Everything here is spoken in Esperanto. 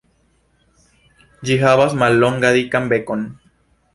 Ĝi havas mallongan dikan bekon.